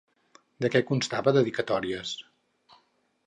De què constava Dedicatòries.